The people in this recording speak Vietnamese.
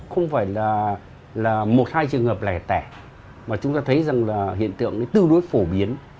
không phải là một hai trường hợp lẻ tẻ mà chúng ta thấy hiện tượng tư đối phổ biến